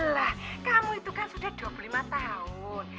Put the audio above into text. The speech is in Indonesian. lah kamu itu kan sudah dua puluh lima tahun